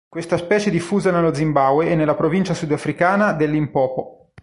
Questa specie è diffusa nello Zimbabwe e nella provincia sudafricana del Limpopo.